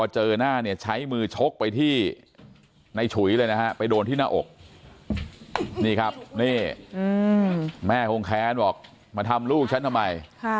เจอหน้าเนี่ยใช้มือชกไปที่ในฉุยเลยนะฮะไปโดนที่หน้าอกนี่ครับนี่แม่คงแค้นบอกมาทำลูกฉันทำไม